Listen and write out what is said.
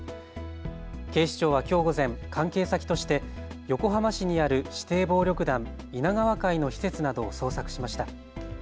警視庁はきょう午前、関係先として横浜市にある指定暴力団稲川会の施設などを捜索しました。